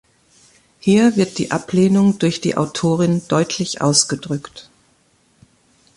Hier wird die Ablehnung durch die Autorin deutlich ausgedrückt.